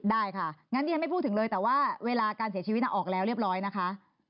ได้ค่ะงั้นที่ฉันไม่พูดถึงเลยแต่ว่าเวลาการเสียชีวิตออกแล้วเรียบร้อยนะคะ